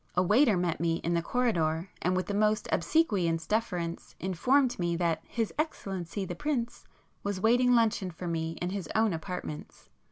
A waiter met me in the corridor and with the most obsequious deference, informed me that 'his excellency the prince' was waiting luncheon for me in his own apartments.